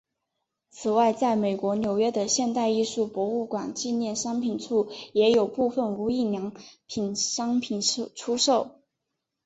此外在美国纽约的现代艺术博物馆纪念商品处也有部份无印良品商品出售。